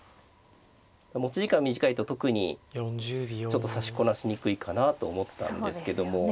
持ち時間短いと特にちょっと指しこなしにくいかなと思ったんですけども。